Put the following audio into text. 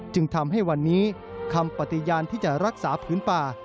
จึงทำให้วันนี้คำปฏิญาณที่จะรักษาพื้นป่า